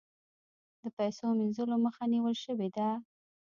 د پیسو مینځلو مخه نیول شوې ده؟